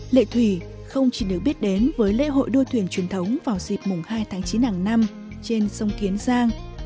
lệ thủy không chỉ được biết đến với lễ hội đua thuyền truyền thống vào dịp mùng hai tháng chín hàng năm trên sông kiến giang